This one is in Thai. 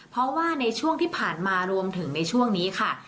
เพราะว่าในช่วงที่ผ่านมารวมถึงในช่วงนี้ค่ะ